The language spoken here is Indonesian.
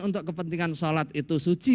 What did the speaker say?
untuk kepentingan sholat itu suci